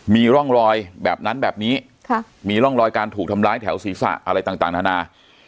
มีร่องรอยแบบนั้นแบบนี้มีร่องรอยการถูกทำร้ายแถวศีรษะอะไรต่างนานา